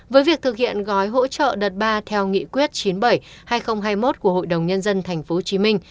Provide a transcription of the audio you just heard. với việc thực hiện gói hỗ trợ đợt ba theo nghị quyết chín bảy hai nghìn hai mươi một của hội đồng nhân dân tp hcm